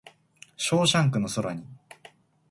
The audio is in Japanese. ショーシャンクの空に